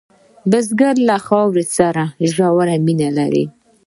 بزګر له خاورې سره ژوره مینه لري